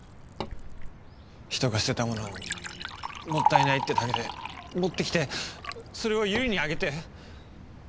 人が捨てたものをもったいないってだけで持ってきてそれを由梨にあげて。